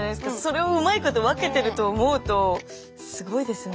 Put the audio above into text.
それをうまいこと分けてると思うとすごいですね。